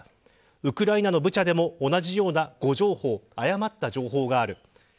ウクライナのブチャでも同じような誤情報がある。